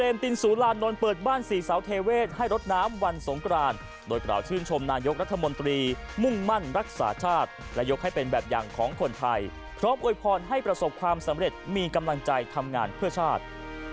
มุ่งมั่นรักษาชาติและยกให้เป็นแบบอย่างของคนไทยพร้อมอวยพรให้ประสบความสำเร็จมีกำลังใจทำงานเพื่อชาติ